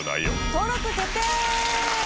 登録決定！